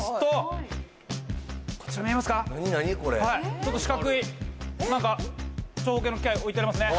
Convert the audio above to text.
ちょっと四角いなんか長方形の機械置いてありますね。